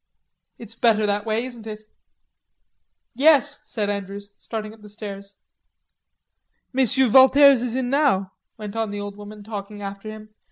It's better that way, isn't it?" "Yes," said Andrews, starting up the stairs. "Monsieur Valters is in now," went on the old woman, talking after him.